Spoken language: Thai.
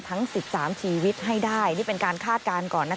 ทั้ง๑๓ชีวิตให้ได้นี่เป็นการคาดการณ์ก่อนนะคะ